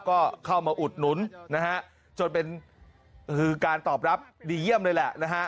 ก็เข้ามาอุดหนุนนะฮะจนเป็นการตอบรับดีเยี่ยมเลยแหละนะฮะ